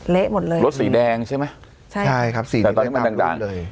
เละหมดเลยรถสีแดงใช่ไหมใช่ครับสีตอนนี้มันดังเลย